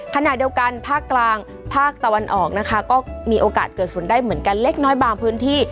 ขณะเดียวกันภาคกลางภาคตะวันออกนะคะก็มีโอกาสเกิดฝนได้เหมือนกันเล็กน้อยบางพื้นที่